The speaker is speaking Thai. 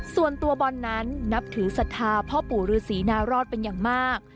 ส่วนตัวบอลนั้นนับถือศรัทธาพ่อปู่ฤษีนารอดเป็นอย่างมาก